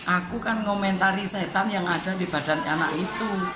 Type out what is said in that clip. aku kan komentari setan yang ada di badan anak itu